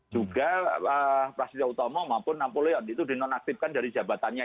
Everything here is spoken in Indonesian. juga prasetya utomo maupun napoleon itu dinonaktifkan dari jabatannya